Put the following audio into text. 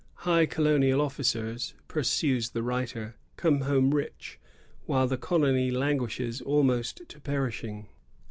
High colonial officers, pursues the writer, come home rich, while the colony languishes almost to perishing.